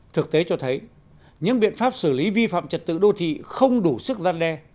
thực tế cho thấy những biện pháp xử lý vi phạm trật tự đô thị không đủ sức gian đe